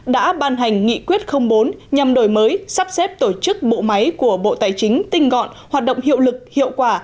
đã ban hành nghị quyết bốn nhằm đổi mới sắp xếp tổ chức bộ máy của bộ tài chính tinh gọn hoạt động hiệu lực hiệu quả